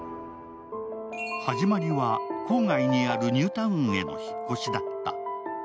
始まりは郊外にあるニュータウンへの引っ越しだった。